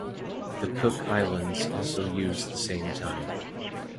The Cook Islands also use the same time.